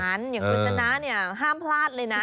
อย่างคุณชนะเนี่ยห้ามพลาดเลยนะ